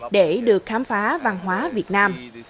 để được khám phá văn hóa việt nam